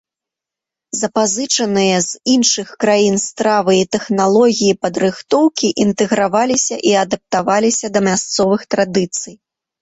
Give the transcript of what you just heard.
Запазычаныя з іншых краін стравы і тэхналогіі падрыхтоўкі інтэграваліся і адаптаваліся да мясцовых традыцый.